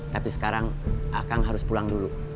tapi sekarang akang harus pulang dulu